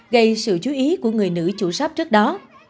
gây sự chú ý của người nữ chủ sáp trước đó